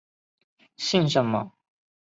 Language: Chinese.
姓什么？